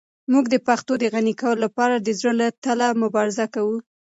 موږ د پښتو د غني کولو لپاره د زړه له تله مبارزه کوو.